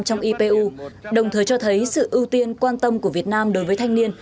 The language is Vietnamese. trong ipu đồng thời cho thấy sự ưu tiên quan tâm của việt nam đối với thanh niên